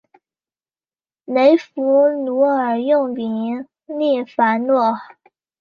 雷佛奴尔又名利凡诺。